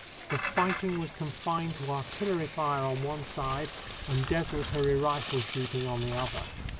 The fighting was confined to artillery fire on one side, and desultory rifle shooting on the other.